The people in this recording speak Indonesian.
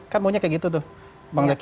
kan maunya kayak gitu tuh